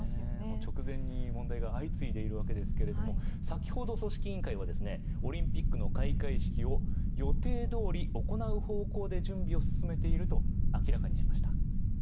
直前に問題が相次いでいますが先ほど、組織委員会はオリンピックの開会式を予定どおり行う方向で準備を進めていると明らかにしました。